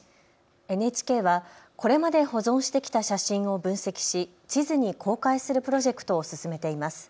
ＮＨＫはこれまで保存してきた写真を分析し地図に公開するプロジェクトを進めています。